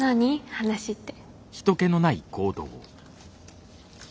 話って。